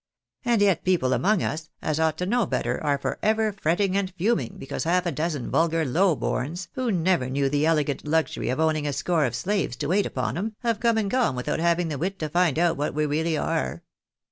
And yet people among us, as ought to know better, are for ever fretting and fuming because half a dozen vulgar low borns, who never knew the elegant luxury of owning a score of slaves to wait upon 'em, have come and gone without having the wit to find out what we realljr are.